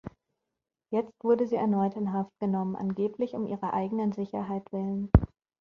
Jetzt wurde sie erneut in Haft genommen, angeblich um ihrer eigenen Sicherheit willen.